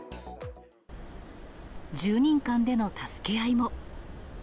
住人間での助け合いも。